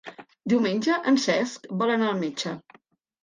Diumenge en Cesc vol anar al metge.